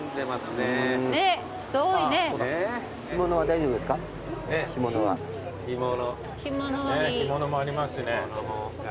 ねっ干物もありますしね。